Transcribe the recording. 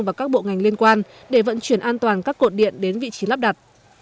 và các bộ ngành liên quan để vận chuyển an toàn các cột điện đến vị trí lắp đặt